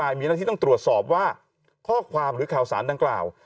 มีหน้าที่ต้องตรวจสอบว่าข้อความหรือข่าวสารดังกล่าว